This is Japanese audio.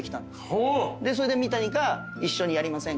でそれで三谷が。